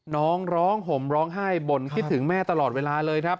น้องร้องห่มร้องไห้บ่นคิดถึงแม่ตลอดเวลาเลยครับ